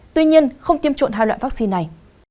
tuy nhiên không tiêm chủng hai loại vaccine này